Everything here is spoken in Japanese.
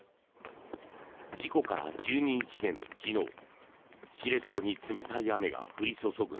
事故から１２日目の昨日知床に冷たい雨が降り注ぐ